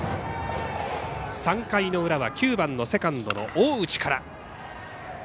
３回の裏は９番のセカンド大内から。